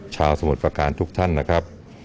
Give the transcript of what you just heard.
สมุทรประการทุกท่านนะครับ